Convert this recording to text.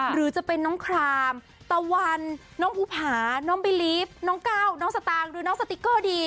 หรือจะเป็นน้องครามตะวันน้องภูผาน้องบิลีฟน้องก้าวน้องสตางค์หรือน้องสติ๊กเกอร์ดี